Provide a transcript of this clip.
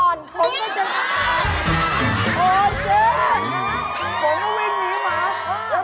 ผมวิ่งหนีหมา